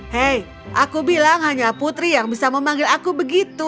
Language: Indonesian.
hei aku bilang hanya putri yang bisa memanggil aku begitu